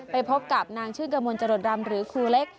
ไปพบกับนางชื่นกระมวลจรดรำหรือครูเล็ก